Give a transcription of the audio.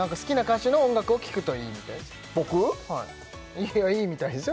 いやいいみたいですよ